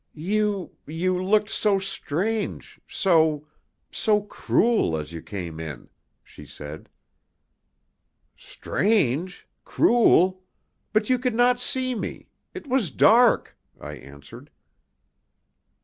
"You you looked so strange, so so cruel as you came in," she said. "Strange! Cruel! But you could not see me. It was dark," I answered.